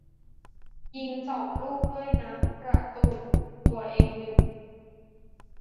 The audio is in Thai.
ยิงสองลูกด้วยนะ ประตูตัวเองหนึ่ง